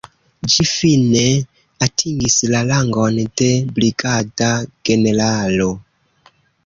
Ĝi fine atingis la rangon de brigada generalo.